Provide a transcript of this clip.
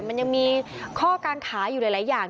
มันยังมีข้อกางขาอยู่หลายอย่าง